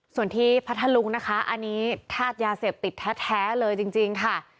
ส่วนที่พัทธลุงนะคะอันนี้ธาตุยาเสพติดแท้เลยจริงค่ะ